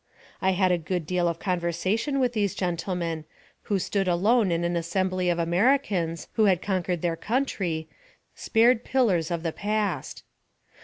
I had a good deal of conversation with these gentlemen, who stood alone in an assembly of Americans, who had conquered their country, spared pillars of the past.